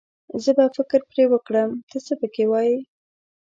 زه به فکر پرې وکړم، ته څه پکې وايې.